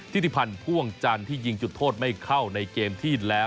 ธิติพันธ์พ่วงจันทร์ที่ยิงจุดโทษไม่เข้าในเกมที่แล้ว